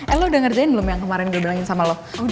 elo udah ngerjain belum yang kemarin gue bilangin sama lo